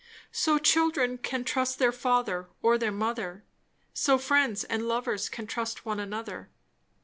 So children can trust their father or their mother; so friends and lovers can trust one another.